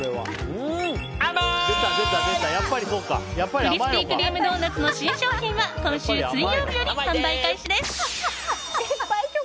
クリスピー・クリーム・ドーナツの新商品は今週水曜日より販売開始です。